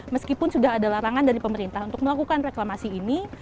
meskipun sudah ada larangan dari pemerintah untuk melakukan reklamasi ini